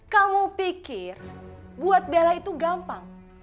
kamu pikir buat bela itu gampang